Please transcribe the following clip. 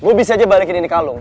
gue bisa aja balikin ini kalung